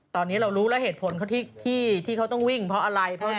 ตอนนี้เรารู้แล้วเหตุผลที่เขาต้องวิ่งเพราะอะไร